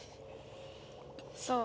そう。